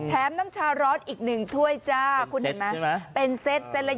แถมน้ำชาร้อนอีก๑ถ้วยจ้าคุณเห็นไหมเป็นเซตใช่ไหม